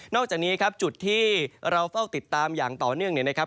อกจากนี้ครับจุดที่เราเฝ้าติดตามอย่างต่อเนื่องเนี่ยนะครับ